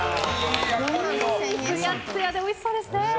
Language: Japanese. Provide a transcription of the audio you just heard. ツヤツヤでおいしそうですね！